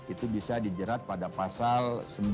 itu bisa dijerat pada pasal sembilan puluh